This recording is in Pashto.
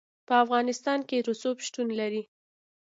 په افغانستان کې رسوب شتون لري.